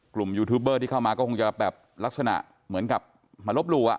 ยูทูบเบอร์ที่เข้ามาก็คงจะแบบลักษณะเหมือนกับมาลบหลู่อ่ะ